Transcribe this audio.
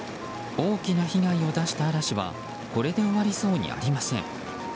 大きな被害を出した嵐はこれで終わりそうにありません。